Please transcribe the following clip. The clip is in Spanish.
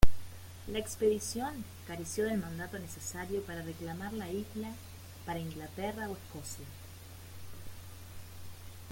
La expedición careció del mandato necesario para reclamar la isla para Inglaterra o Escocia.